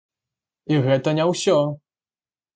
І гэта не ўсё!